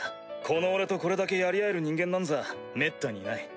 この俺とこれだけやり合える人間なんざめったにいない。